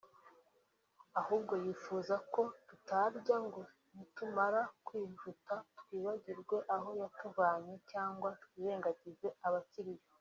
ahubwo yifuza ko tutarya ngo nitumara kwijuta twibagirwe aho yatuvanye cyangwa twirengagize abakiriyo